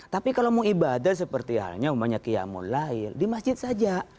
tapi kalau mau ibadah seperti halnya umpanya qiyamul layl di masjid saja